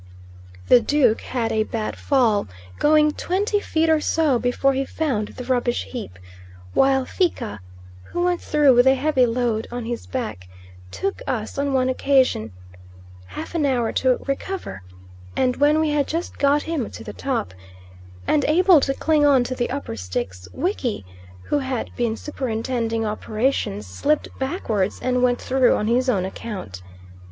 The Duke had a bad fall, going twenty feet or so before he found the rubbish heap; while Fika, who went through with a heavy load on his back, took us, on one occasion, half an hour to recover; and when we had just got him to the top, and able to cling on to the upper sticks, Wiki, who had been superintending operations, slipped backwards, and went through on his own account.